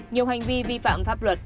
nhiều hành vi vi phạm pháp luật